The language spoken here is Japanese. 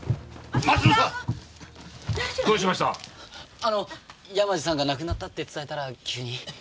あの山路さんが亡くなったって伝えたら急に。